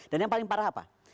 dan yang paling parah apa